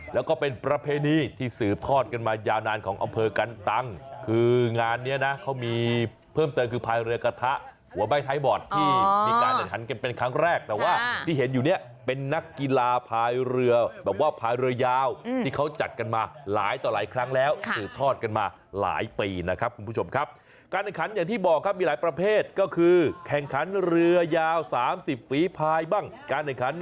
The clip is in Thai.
แล้วก็เป็นประเภณีที่สืบทอดกันมายาวนานของอำเภอกันตั้งคืองานเนี้ยนะเขามีเพิ่มเติมคือพายเรือกระทะหัวใบไทยบอร์ดที่มีการเนินขันเป็นครั้งแรกแต่ว่าที่เห็นอยู่เนี้ยเป็นนักกีฬาพายเรือแบบว่าพายเรือยาวอืมที่เขาจัดกันมาหลายต่อหลายครั้งแล้วค่ะสืบทอดกันมาหลายปีนะครับคุณผู้ชมครับการเนินขั